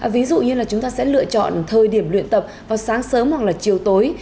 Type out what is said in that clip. ví dụ như là chúng ta sẽ lựa chọn thời điểm luyện tập vào sáng sớm hoặc là chiều tối